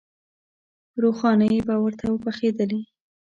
روغانۍ به ورته پخېدلې.